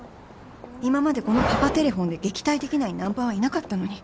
今までこのパパテレホンで撃退できないナンパはいなかったのに